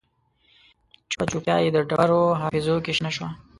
چوپه چوپتیا یې د ډبرو حافظو کې شنه شوه